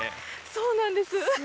そうなんです